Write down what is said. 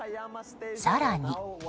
更に。